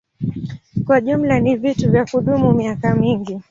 Kwa jumla ni vitu vya kudumu miaka mingi.